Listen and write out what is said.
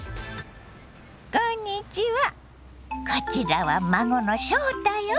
こんにちはこちらは孫の翔太よ。